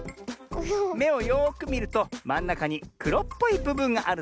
めをよくみるとまんなかにくろっぽいぶぶんがあるだろう？